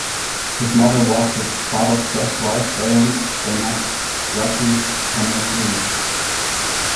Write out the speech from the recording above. His mother was his father's first wife Dayang Zainab, Ratu Permaisuri.